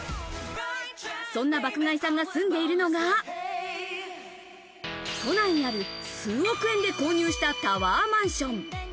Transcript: そんな爆買いさんが住んでいるのが、都内にある数億円で購入したタワーマンション。